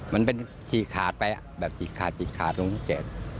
มันเป็นจีกขาดไปจีกขาดจีกขาดลุงเจ็บ